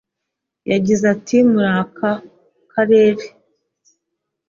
yagize ati Muri aka karere